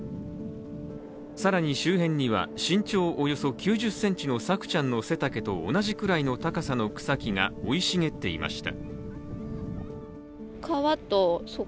更に周辺には、身長およそ９０ｃｍの朔ちゃんの背丈と同じくらいの高さの草木が生い茂っていました。